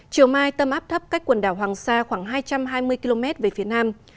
chiều mai tâm áp thấp cách quần đảo hoàng sa khoảng hai trăm hai mươi km về phía nam